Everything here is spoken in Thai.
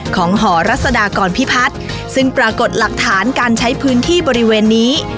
หอรัศดากรพิพัฒน์ซึ่งปรากฏหลักฐานการใช้พื้นที่บริเวณนี้